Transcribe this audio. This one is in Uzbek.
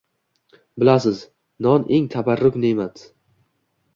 Bilasiz: non eng tabarruk ne’mat.